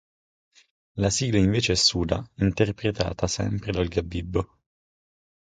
La sigla invece è "Suda", interpretata sempre dal Gabibbo.